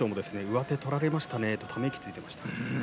上手を取られましたねとため息をついていました。